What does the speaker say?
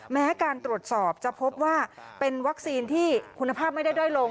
แม้การตรวจสอบจะพบว่าเป็นวัคซีนที่คุณภาพไม่ได้ด้อยลง